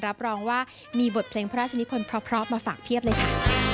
รับรองว่ามีบทเพลงพระราชนิพลเพราะมาฝากเพียบเลยค่ะ